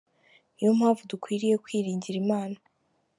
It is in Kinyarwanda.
Ni yo mpamvu dukwiriye kwiringira Imana".